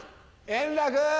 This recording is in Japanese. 円楽！